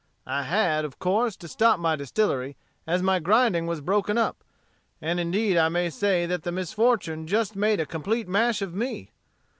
"I had, of course, to stop my distillery, as my grinding was broken up. And indeed I may say that the misfortune just made a complete mash of me.